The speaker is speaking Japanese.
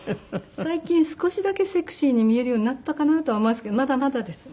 最近少しだけセクシーに見えるようになったかなとは思いますけどまだまだです。